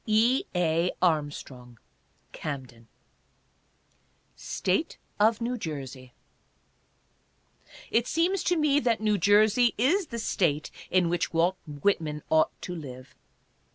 E. A. ARMSTRONG: Camden. STATE OF NEW JERSEY. It seems to me that New Jersey is the State in which Walt Whitman ought to live.